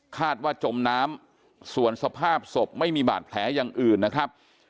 จมน้ำส่วนสภาพศพไม่มีบาดแผลอย่างอื่นนะครับ